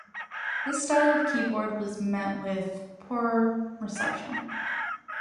This style of keyboard was met with poor reception.